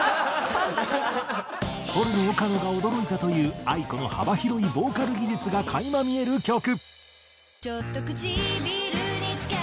ポルノ岡野が驚いたというａｉｋｏの幅広いボーカル技術が垣間見える曲。